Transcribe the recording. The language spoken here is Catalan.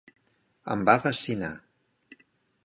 Em va fascinar.